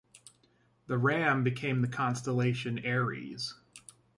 The ram became the constellation Aries.